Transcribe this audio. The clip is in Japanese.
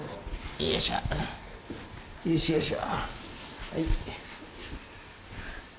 よいしょよいしょ。